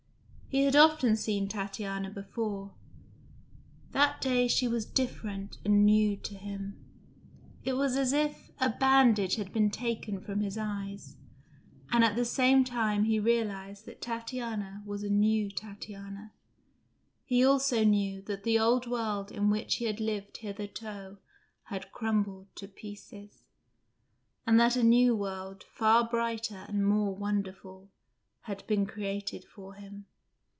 He had often seen Tatiana before: that day she was different and new to him. It was as if a bandage had been taken from his eyes, and at the same moment he realised that Tatiana was a new Tatiana. He also knew that the old world in which he had lived hitherto had crumbled to pieces; and that a new world, far brighter and more wonderful, had been created for him.